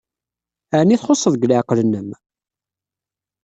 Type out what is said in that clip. Ɛni txuṣṣed deg leɛqel-nnem?